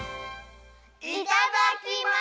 いただきます！